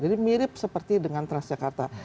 jadi mirip seperti dengan transjakarta